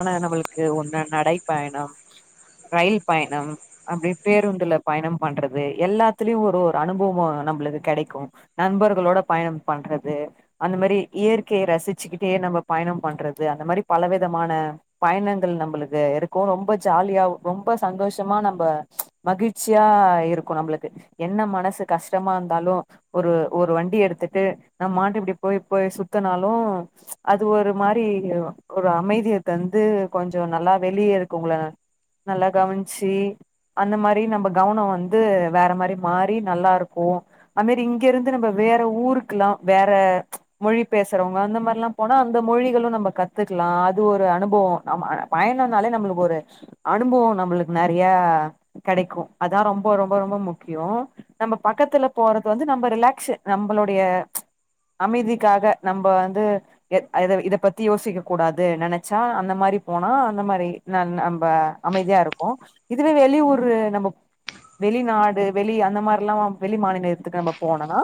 ஆனா நம்மளுக்கு ஒரு நாள் நடைப்பயணம் ரயில் பயணம் அப்டி பேருந்துல பயணம் பண்றது எல்லாத்துலயு ஒரு ஒரு அனுபவோ நம்ளுது கெடைக்கு நண்பர்களோட பயணம் பண்றது அந்த மாரி இயற்கைய ரசிச்சுக்கிட்டே நம் நம்ம பயணம் பண்றது அந்த மாரி பலவிதம் மான பயணங்கள் நம்மளுக்கு இருக்கு ரொம்ப ஜாலியா ரொம்ப சந்தோஷமா நம்மச் மகிழ்ச்சியா இருக்கு நம்மளுக்கு என்ன மனசு கஷ்டமா இருந்தாலு ஒரு ஒரு வண்டி எடுத்து டு நம்மாட்டு இப்டி போய் போய் சுத்தினாலு அது ஒரு ச் மாரி ஒரு அமை இத தந்து கொஞ்சோ நல்லா வெளிய இருக்குள்ள நல்லா கவனிச்சு அந்த மாரி நம்ம கவனோ வந்து வேற மாரி மாறி நல்லா இருக்கு அதுமேரி இங்க இருந்து நம்ம வேற ஊருக்கெலா வேற ச் மொழி பேசுறவங்க அந்த மாரிலா போனா அந்த மொழிகளு நம்ம கத்துக்கலா இது ஒரு அனுபவோ ஆமா அ பயணம் நாளே நம்ளுக்கு ஒரு அனுபவோ நம்மளுக்கு நெறைய க கெடைக்கு அதா ரொம்ப ரொம்ப ரொம்ப முக்கியோ நம்ம பக்கத்துல போறது வந்து நம்ம ரிலாக்ஸ் நம்மளோடைய எ ச் அமைதிக்காக நம்ம வந்து எ அத இதப் பத்தி யோசிக்கக் கூடாது து நெனச்சா அந்த மாரி போனா அந்த மாரி நம்ம அமைதியா இருப்போ இதுவே வெளியூர் ஒரு நம்மக் வெளிநாடு வெளி அந்த மாரில்லா வெளி மாநிலத்துக்கு நம்ம போனோனா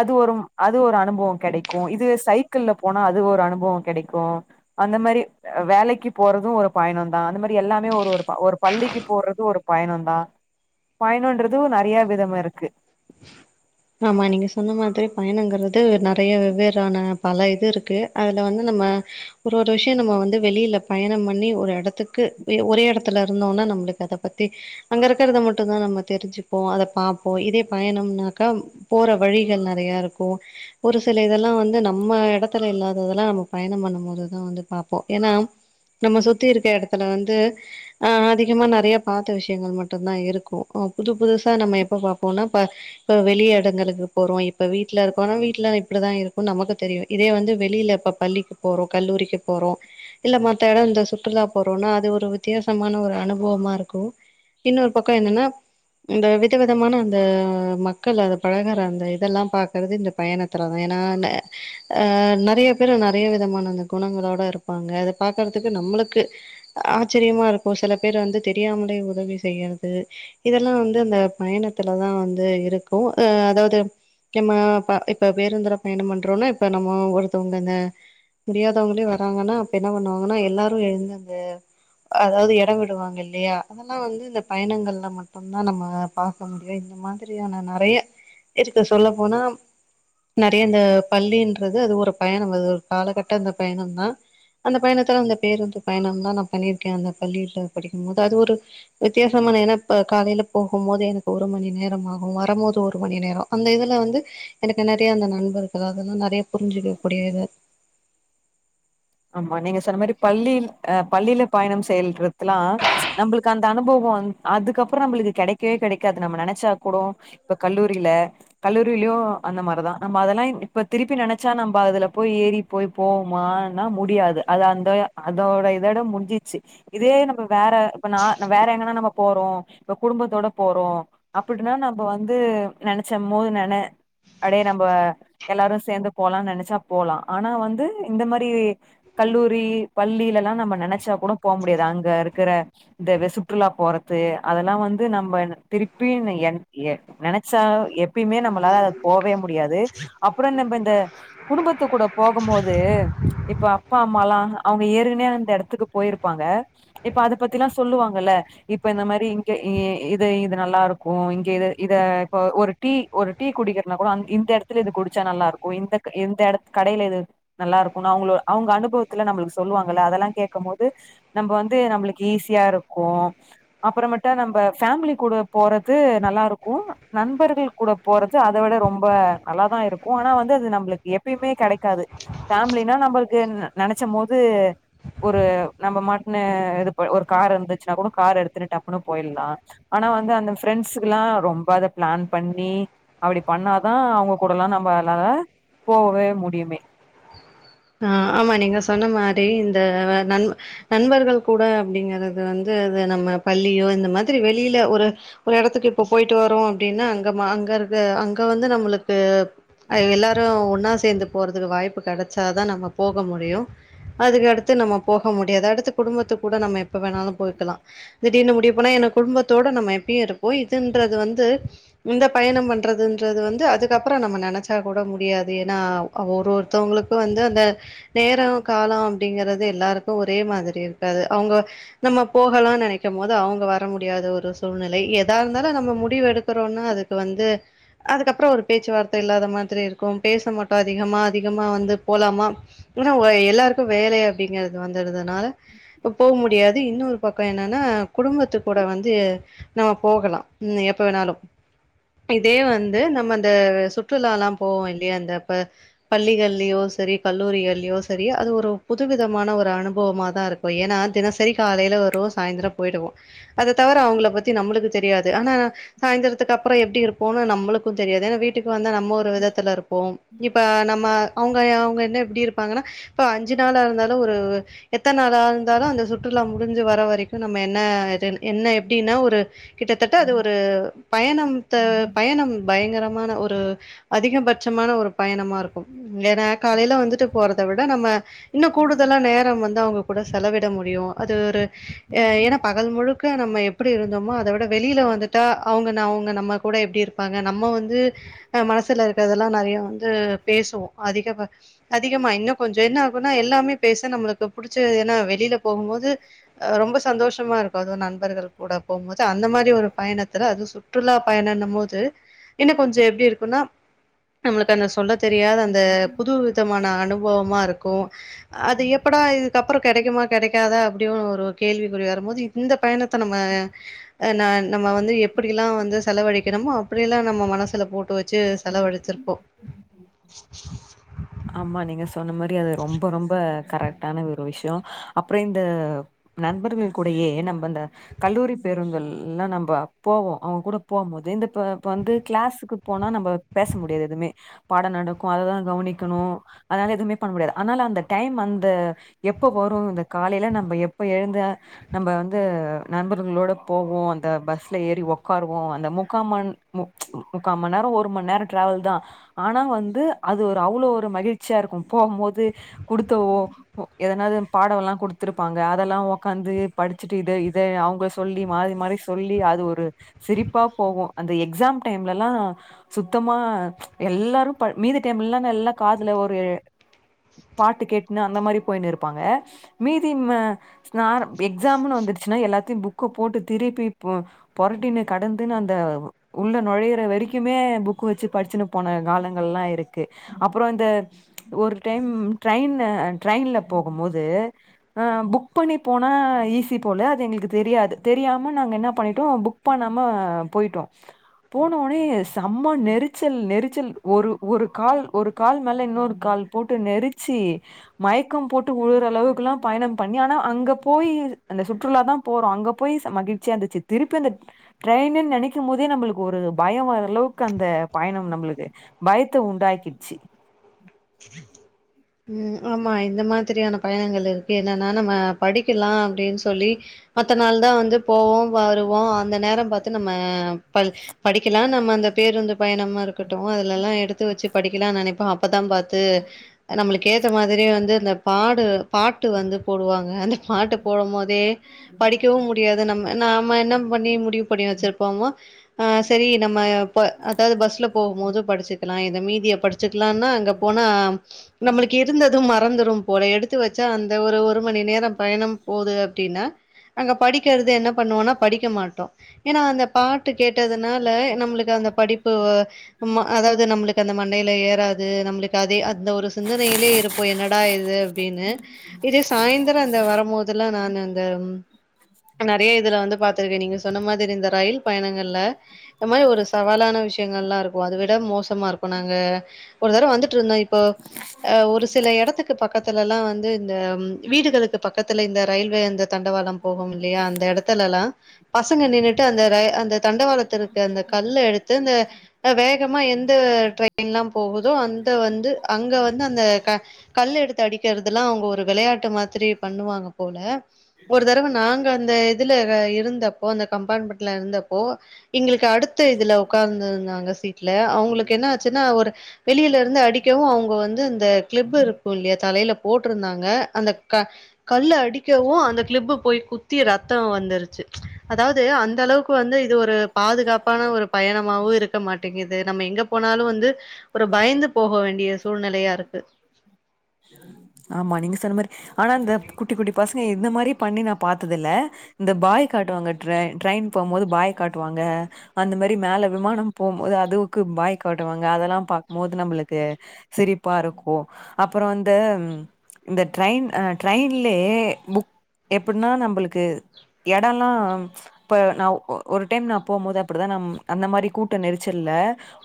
அது ஒரு அது ஒரு ஒரு அனுவோ கெடைக்கு இது சைக்கிள்ல போனா அது ஒரு அனுபவோ கெடைக்கு அந்த மாரி வேலைக்கு போறது ஒரு பயணந்தா அந்த மாரி எல்லாமே ஒரு ஒரு ஒரு பள்ளிக்கு போறது ஒரு பய பயணந்தா பயணன்றது நெறைய விதம் இருக்கு ஆமா நீங்க சொன்ன மாதிரி பயணங்கிறது நெறைய வெவ்வேறான பல இது இருக்கு அதுல வந்து நம் ம ஒரு ஒரு விஷ்யோ நம்ம வந்து வெளியில பயணம் பண்ணி ஒரு இடத்துக்கு ஒரே இடத்துல இருந்தோனா நம் நம்மளுக்கு அத பத்தி அங்க இருக்கறத மட்டுதா நம்ம தெரிஞ்சுப்போ அத பாப்போம் இதே பயணம்னாக்கா போற வழிகள் நெறைய இருக்கு ஒரு சில இதெல்லா வந்து நம்ம இடத்துல இல்லாததெல்லா நம்ம பயணம் பண்ணும் போதுதா வந்து பாப்போ ஏன்னா நம்ம சுத்தி இருக்க இடத்துல வந்து அஹ் அதிகமா நெறைய பாத்த விஷயங்கள் மட்டுதா இருக்கு நம்ம புது புதுசா நம்ம எப்ப பாப்போனா இப்ப இப்ப வெளிய இடங்களுக்கு போறோ இப்ப வீட்ல இருக்கோனா வீட்ல இப்டிதா இருக்கு நமக்கு தெரியு இதே வந்து வெளியில இப்ப பள்ளிக்கு போறோ கல்லூரிக்கு போறோ இல்ல மத்த எட இந்த சுற்றுலா போறோம்னா அது ஒரு வித்திய சமான ஒரு அனுபவமா இருக்கு இன்னொரு பக்கோ என்னன்னா இந்த விதவிதமா த மக்கள் அத பழகற அந்த இதெல்லா பாக்கறது இந்த பயணத்திலதா ஏன்னா அ அ நெறைய பேரு நெறைய விதமான அந்த குணங்களோட இருப்பாங்க அத பாக்குறதுக்கு நம்மளுக்கு அ தெரியுமா இருக்கு சில பேர் வந்து தெரியாமலே உதவி செய்யறது இதெல்லா வந்து அந்த பயணத் துல தா வந்து இருக்கு அஹ் அதாவது முக்கியமா இப்ப பேருந்துல பயணம் பண்றோம்னா இப்ப நம்ம ஒருத்தவங்க இந்த முடியாதவங்களே வராங்கன்னா அப்ப என்ன பண்ணுவாங்கன்னா எல்லாரு எழுந்தது அதாவது எடோ விடுவாங்க இல்லையா அதெல்லா வந்து இந்த பயணங்கள்ல மட்டுதா நம்ம பா [unintelligible] இந்த மாதிரியான நெறைய இருக்கு சொல்ல போனா நெறைய இந்த பள்ளின்றது அது ஒரு பயணம் அது ஒரு காலகட்ட அ பயணந்தா அந்த பயணத்துல அந்த பேருந்து பயணம் தா நா பண்ணிருக்கே அந்த பள்ளில படிக்கும் போது அது ஒரு வித்தியாசம் நா நெனப்ப காலைல போஹும்மோது எ ஒரு மணி நேரம் ஆஹு வரம்மோது ஒரு மணி நேரோ அந்த இதுல வந்து எனக்கு நறைய அந்த நண்பர் அதாவது நறைய புரிஞ்சுக்கக் கூடியது மா நீங்க சொன்ன மாரி பள்ளியில் அஹ் பள்ளில பயணம் செயல்றதுலா நம்மளுக்கு அந்த அனுபவோ வந் அதுக்கப்பறோ நம்மளுக்கு கெடைக்கவே கெடைக்காது நம்ம நெனச்சா கூடு இப்ப கல்லூரில கல்லூரிலயு அந்த மாரிதா நம்ம அதல்லா இப்ப திருப்பி நெனச்சா நம்ப அதுல போய் ஏறி போய் போமா னா முடியாது அது அந்த அதோட இதோட முடிஞ்சிச்சு இதே நம்ம வேற இப்ப நா வேற எங்கனா நம்ம போறோ இப்ப குடும்பத்தோட போறோ அப்புடின்னா நம்ம வந்து நெனைச்ச போது நென அடியே நம்ப எல்லாரு சேந்து போலா நெனச்சா போலா ஆனா வந்து இந்த மாரி இ கல்லூரி பள்ளியிலல்லா நம்ம நெனச்சா கூட போ முடியாது அங்க இருக்குற இந்த வெசு சுற்றுலா போறது அதல்லா வந்து நம்ப திருப்பி என் எ நெனச்சா எப்பயுமே நம்மளா போவே முடியாது அப்பறோ நம்ப இந்த குடும்பத்து கூட போகும் போது இப்ப அப்பா அம்மாலா அவுங்க ஏறுனே அந்த எடத்துக்கு போயிருப்பாங்க இப்ப அத பத்திலா சொல்லுவாங்கல்ல ஹ இப்ப இந்த மாரி இங்க இ இது இது நல்லாருக்கு இங்க இ இத ஒரு டீ ஒரு டீ குடிக்கறதுனா கூட அங் இந்த எடத்துல இது குடிச்சா நல்லாருக்கு இந்த இந்த எடத் கடைலிது நல்லாருக் நா அவுங்கள அவுங்க அனுபவத்துல நம்மளுக் சொல்லுவாங்கல்ல அதல்லா கேக்கம்போது நம்ப வந்து நம்மளுக்கு ஈஸியா இருக் போ அப்பறமட்டு நம்ப ஃபேமிலி கூட போறது நல்லாருக்கு நண்பர்கள் கூட போறது அத விட ரொம்ப நல்ல தா இருக்கு ஆனா வந்து அது நம்மளுக்கு எப்பயுமே கடைக்காது ஃபேமிலி என்னா நம்பளுக்கு நெனச்சமோது ஒரு நம்ம மாட்ன்னு இது ஒரு கார் இருந்துச்சுன்னா கூட கார் எடுத்துட்டு டப்புனு போயிட்லா ஆனா ஆனா வந்து அந்த ஃப்ரெண்ட்ஸுக்குலா ரொம்ப அத ப்ளான் பண்ணி அப்டி பண்ணாதா அவுங்க கூடலா நம்ப பண்ணாதா போவே முடியுமே ஆஹ் ஆமா நீங்க சொன்ன மாரி இந்த நன் நண்பர்கள் கூட அப்டிங்கறது வந்து இது து நம்ம பள்ளியோ இந்த மாதிரி வெளில ஒரு ஒரு எடத்துக்கு இப்ப போயிட்டு வரோ அப்டின்னா அங்கமா அங்க கறது அங்க வந்து நம்மளுக்கு அ எல்லாரு ஒன்னா சேந்து போறதுக்கு வாய்ப்பு கடச் சாதா நம்ம போக முடியு அதுக்கடுத்து நம்ம போஹ முடியாது அடுத்து குடும்பத்து கூட நம்ம எப்ப வேணாலு போய்க்கலா திடீர்னு முடிவு பண்ணா என குடும்பத்தோட நம்ம எப்பயு இருப்போ இதுன்றது வந்து இந்த பயணம் பண்றதுன்றது வந்து அதுக்கப்பறோ நம்ம நெனச்சா கூட முடியாது ஏன்னா அ ஒரு ஒருத்தவுங்களுக் வந்து அந்த நேரோ காலோ அப்டிங்கிறது எல்லாருக்கு ஒரே மாதிரி இருக்காது அவுங்க ந நம்ம போகலா நெனைக்கும்மோது அவுங்க வர முடியாத ஒரு சூழ்நிலை எதா இருந்தாலு நம்ம முடிவு எடுக்கறோன்னா அது வந்து அதுக்கப்பறோ ஒரு பேச்சுவார்த்த இல்லாத மாதிரி இருக்கும் பேச மாட்டோ அதிஹமா அதிகமா வந்து போலாமா இங்க ஒ எல்லாருக்கு வேலை அப்டிங்கிறது வந்ததுனால போ முடியாது இது இன்னொரு பக்கோ என்னன்னா குடும்பத்து கூட வந்து நம்ம போகலா உ எப்போ வேணாலு இதே வந்து நம்ம அந்த சுற்றுலாலாம் போவோ இல்லியா அந்த பள்ளிகள்லயோ சரி கல்லூரிகள்யோ சரி அது ஒரு புதுவிதமான ஒரு அனுபவமா தா இருக்கு ஏன்னா தினசரி காலைல வருவோ சாயந்தரொ போயிடுவோ அத தவர அவுங்கள பத்தி நம்மளுக்கு தெரியாது ஆனா சாய்ந்தரத்துக்கு அப்றோ எப்டி ப்டி இருப்போனு நம்மளுக்கு தெரியாது ஏன்னா வீட்டுக்கு வந்தா நம்ம ஒரு விதத்துல இருப்போம் இப்ப நம்ம அவுங்கங்க என்ன எப்டி இருப்பாங்கன்னா இப்ப அஞ்சு நாளா இருந்தாலு ஒரு எத்த நாளா இருந்தாலு அந்த சுற்றுலா முடிஞ்சு வர ர வரைக்கு நம்ம என்ன என்ன எப்டின்னா ஒரு கிட்டத்தட்ட அது ஒரு பயணம் த பயணம் பயங்கரமான ஒரு அதிகபட்சமான ஒரு பயணமா இருக்கும் ஏன்னா காலைல வந்துட்டு போறத விட நம்ம இன்னு கூடுதலா நேரம் வந்து அவுங்க கூட செலவிட முடியு அது ஒரு எ ஏன்னா பகல் முழுக்க நம்ம எப்புடி இருந்தோமோ அத விட வெளில வந்துட்டா அவுங்க ந அவுங்க நம்ம கூட எப்டி இருப்பாங்க நம்ம வந்து அ மனசுல இருக்கதெல்லா நறையா வந்து து பேசுவோ அதிகப அதிகமா இன்னு கொஞ்சென்னாகுன்னா எல்லாமே பேச நம்மளுக்கு புடிச்ச ஏன்னா வெளில போகும்போது அ ரொம்ப சந்தோஷமா இருக்கு அதுவு நண்பர்கள் கூட போம்போது அந்த மாரி ஒரு பயணத்துல அது சு ற்றுலா பயணன்னமோது இன்னு கொஞ்ச எப்டி இருக்குனா நம்மளுக்கு அந்த சொல்ல தெரியாத அந்த து விதமான அனுபவமா இருக்கு அது எப்படா இதுக்கப்புற கெடைக்குமா கெடைக்க தா அப்டியோனு ஒரு கேள்விக்குறி வரும்போது இந்த பயணத்தை நம்ம அ ந நம்ம வந்து எப்படில்லா- அ வந்து செலவழிக்கணமோ அப்டியெல்லா நம்ம மனசுல போட்டு வச்சு செலவழச்சிருப்போம்- [unintelligible] ஆமா நீங்க சொன்ன மாரி அது ரொம்ப ரொம்ப கரெக்டான ஒரு விஷயம் அப்புற இந்த நண்பர்கள் கூடையே நம்ம இந்த கல்லூரி பேருந்துகள் எல்லா நம்ப போவோ அவங்க கூட போகும் போது இந்த இப்ப இப்ப வந்து கிளாஸுக்கு போனா நம்ம பேச முடியாது எதுமே பாட நடக்கு அதைதா கவனிக்க க்கணு அதனால எதுவுமே பண்ண முடியாது அதனால அந்த டைம் அந்த எப்ப வரு இந்த காலையில நம்ம எப் இப்ப எழுந்த நம்ம வந்து நண்பர்களோட போவோ அந்த பஸ்ல ஏறி உக்காருவோ அந்த முக்காம்ண மு முக்காம் மண் நேரம் ஒரு மண் நேரம் டிரவல் தா ஆனா வந்து அது ஒ அவ்ளோவு ஒரு மகிழ்ச்சியா இருக்கும் போம்போது குடுத்தவோ எதனாவது பாடவெல்லா குடுத்திருப்பாங்க அதெல்லா உக்காந்து படிச்சுட்டு இத இத அவங்க சொல்லி மாறி மாறி சொல்லி அது ஒரு சிரிப் பா போகு அந்த எக்ஸாம் டைம்லல்லா சுத்தமா எல்லாரு ப மீதி டைம்ல்ல நல்லா காதுல ஒரு பாட்டு கேட்டுன்னனு அந்த மாரி போயு இருப்பாங்க மீதி அ நா எக்ஸாம்னு வந்துட் ச்சுனா எல்லாத்தையு புக்குப் போட்டு திருப்பி பு பொரட்டினு கடந்துன்னு அந்த உள்ள நொழையிற வ வரிக்குமே புக் வச்சு படிச்சுன்னு போன காலங்கள் எல்லா இருக்கு அப்புறோ இந்த ஒரு டைம் ட்ரெயின் ட்ரெயின்ல போகும் போது ஆ புக் பண்ணி போனா அ ஈஸி போல அது எங்களுக்கு தெரியாது தெரியாம நாங்க என்ன பண்ணிட்டோ புக் பண்ணாம போயிட்டோ போனோனே செம்ம நெரிச்சல் நெரிச்சல் ஒரு ஒரு கால் ஒரு கால் மேல இன்னொரு கால் போட்டு நெரிச்சி மயக்கம் போட்டு உழுற அளவுக்கெல்லா பய பயணம் பண்ணி ஆனா அங்க போய் அந்த சுற்றுலா தா போறோ அங்க போய் செ மகிழ்ச்சி இருந்துச்சி திருப்பி அந்த ட்ரெயினுன்னு நெனைக்கும் போதே நம்மளுக்கு ஒரு பய வர அளவுக்கு அந்த பயணம் நம்மளுக்கு பய த்து உண்டாக்கிச்சி ம் ஆமா இந்த மாதிரியான பயணங்கள் இருக்கு என்னன்னா நம்ம படிக்கலா அப்டின்னு சொல்லி மத்த நாள் தா வந்து போவோ வருவோ அந்த நேரம் பாத்து நம்ம ப படிக்கலா நம்ம அந்த பேருந்து பயணமா இருக்கட்டு அதுல எல்லா எடுத்து வச்சு படிக்கலாம்னு நெனைப்பே அப்பதா பாத்து நம்மளுக்கு ஏத்த மாதிரியே வந்து அந்த பாடு பாட்டு வந்து போடுவாங்க அந்த பாட்டு போடும் போ தே படிக்கவு முடியாது நம்ம நாம என்ன பண்ணி முடியு பண்ணி வச்சிருப்போமோ ஆ செரி நம்ம போ அதாவது பஸ்ல போகும் போது படிச்சுக்கலா இத மீதிய படிச்சு இருக்கலானா அங்க போனா நம்மளுக்கு இருந்ததும் மறந்துரும் போல எடுத்து வச்சா அந்த ஒரு ஒரு மணி நேரம் பயணம் போகுது அப்டின்னா அங்க படிக்கிறது என்ன பண்ணுவோனா படிக்க மாட்டோ ஏன்னா அந்த பா கேட்டதுனால நம்ளுக்கு அந்த படிப்பு ம அதாவது நம்ளுக்கு அந்த மண்டையில ஏறாது நம்ளுக்கு அதே அந்த ஒரு சிந்தனையிலே இருப்போ என்னடா இது அப்டின்னு இதே சாயந்தரோ அந்த வரம்போதெல்லா நானு அந்த ம் நெறைய இதுல வந்து பாத்திருக்கே நீங்க சொன்ன மாதிரி இந்த ரயில் பயணங்கள்ல இந்த மாரி ஒரு சவாலான விஷயங்கள்லா இருக் கு அத விட மோசமா இருக்கு நாங்க ஒரு தடவ வந்துட்டுருந்தோ இப்போ அ ஒரு சில எடத்துக்கு பக்த்து ல்லா வந்து இந்த வீடுகளுக்கு பக்கத்துல இந்த ரயில்வே அந்த தண்டவாளம் போகுமில்லையா அந்த எடத்துலலெ ல பசங்க நின்னுட்டு அந்த ரயி அந்த தண்டவாளத்துருக்க அந்த கல் எடுத்து அந்த அ வேக மா எந்த ட்ரெயின்லா போகுதோ அந்த வந்து அங்க வந்து ந்த அந்த க கல் எடுத்து அடிக்கிறதெலா அவுங்க ஒரு வெளையாட்டு மாதிரி பண்ணுவாங்க போல ஒரு தடவை நாங்க அந்த இதுல இருந்தப்போ அந்த கம்பார்மெண்ட்ல இருந்தப்போ எங்களுக் கு அடுத்து இதுல உக்கார் திருந் தாங்க ஸ் ட்டுல அவுங்ளுக்கு என்ன ஆச்சுன்னா ஒரு வெளியில இருந்து அடிக்கவு அவுங்க வந்து அந்த கிளிப் இருக்குல்லையா த லையில போட்டிருந்தாங்க அந்த க கல்லு அடிக்கவு அந்த கிளிப் போய் குத்தி ரத்தம் வந்து ருச்சு அதாவது அந்த அளவுக்கு வந்து இது ஒரு பாதுகாப்பான ஒரு பயணமாவு இருக்க மாட்டேங்கிது நம்ம எங்க போனாலு வந்து ஒரு பயந்து போக வேண்டிய சூழ்நிலையா இருக்கு ஆமா நீங்க சொன்ன மாரி ஆனா இந்த குட்டி குட்டி பசங் எந்த மாரி பண்ணி நா பார்த்தது இல்ல இந்த பாய் காட்டுவாங்க ட்ரெ ட்ரெயின் போம் போது பாய் காட்டு வாங்க அந்த மாதிரி மேல விமானம் போம் போது அதுவுக்கு பாய் காட்டுவாங்க அதெல்லா பாக்கும்போது நம்ள்க்கு சிரிப்பாருக்கு அப்றோ அந்த இந்த ட்ரெயின் ட்ரெயின்லயே புக் எப்புனா நம்ள்க்கு எடோ எல்லா இப்ப நா ஒரு டைம் நா போம்போது அப்டிதா நம் அந்த மாரி கூட்ட நெரிச்சல் ல்ல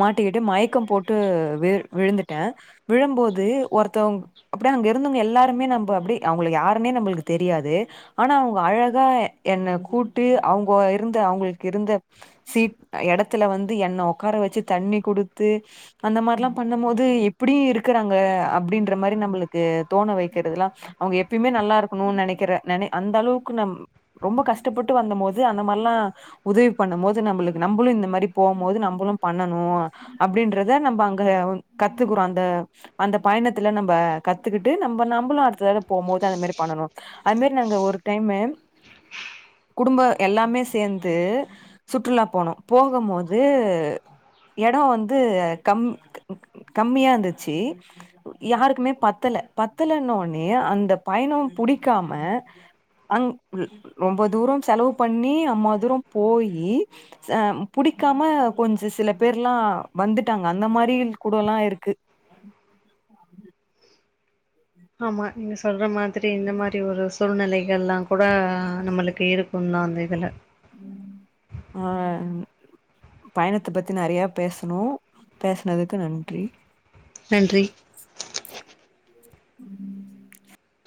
மாட்டி கிட்டு மயக்கம் போட்டு விழு விழுந்துட்டே விழும்போது ஒருத்தவங் அப்டியே அங்க இருந்தவங்க எல்லாருமே நம்ப அப்டி அவுங்கள யாருனே நம்ள்க்கு தெரியாது ஆனா அவுங்க அ அழகா என்ன கூட்டு அவுங்க இருந்த அவுங்ளுக்கு இருந்த சீட் எடத்துல வந்து து என்ன உக்கார வெச்சு தண்ணி குடுத்து அந்த மாரெல்லா பன்னம்போது எப்டி இருக்கறாங்க அப் அப்டின்ற மாரி நம்ள்க்கு தோண வெக்கிறதெல்லா அவுங்க எப்யுமே நல்லா இருக்கணுனு நெனக்கிற அந்த அளவுக்கு நம் ரொம்ப கஷ்டபட்டு வந்த போது அந்த மாரெல்லாம் உதவி பண்ணும்போது நம்மளுக்கு நம்ளு இந்த மாரி போம் போது நம்ளு பண்ணனு அப்டின்றத நம்ம அங்க கத்ததுக்றோ அந்த அந்த பயணத்துல நம்ம கத்துகிட்டு நம்ம நம்பளு அடுத்தடவ போம்போது அந்த மாரி பண்ணணு அது மாரி நாங்க ஒரு டைமு குடும்ப எல்லாமே சேந்து சுற்றுலா போனோ போகும்போது எடோ வந்து கம் கம்மியா இந்துச்சு யாருக்குமே பத்தல பத்தலன ஒன்னே அந்த பயணம் புடிக்காம அங் ரொம்ப தூரோ செலவு பண்ணி அம்மா தூரம் போயி ச புடி காம கொஞ்சோ சில பேர்ல்லா வந்துட்டாங்க அந்த மாரி கூட எல்லா இருக்கு ஆமா நீங்க சொல்ற மாதிரி இந்த மாரி ஒரு சூழ்நிலைகள் எல்லாங் கூட நம்மளுக்கு இருக்குன் நா அந்த இதுல ம் ஆ பயணத்த பத்தி நெறயா பேசணோ பேசனதுக்கு நன்றி நன்றி ம்